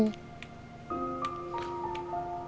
awas aja kalau gak nungguin